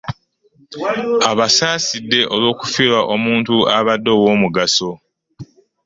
Abasaasidde olw'okufiirwa omuntu abadde ow'omugaso